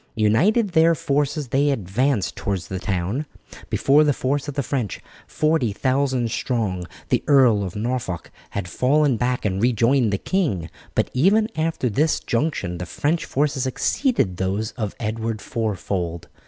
Uniting their forces they advanced towards the town. Before the force of the French, 40,000 strong, the Earl of Norfolk had fallen back and rejoined the king, but even after this junction the French forces exceeded those of Edward fourfold.